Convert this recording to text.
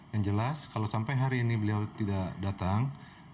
yang jelas kalau sampai hari ini beliau tidak datang